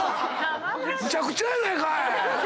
めちゃくちゃやないかい。